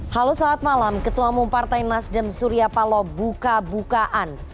halo selamat malam ketua mempartai nasdem surya palo buka bukaan